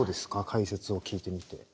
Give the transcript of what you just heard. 解説を聞いてみて。